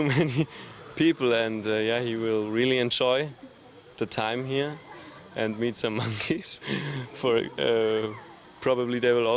mungkin mereka juga akan mengejarnya